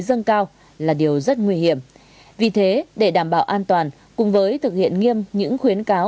dâng cao là điều rất nguy hiểm vì thế để đảm bảo an toàn cùng với thực hiện nghiêm những khuyến cáo